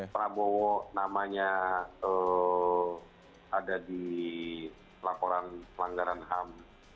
prabowo namanya ada di laporan pelanggaran ham